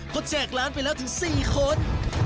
เขาแจกร้านไปแล้วถึง๔คน